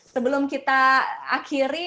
sebelum kita akhiri